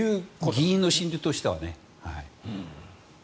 議員の心理としてはね。